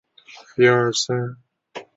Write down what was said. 该站因其西边的巩华城而得名。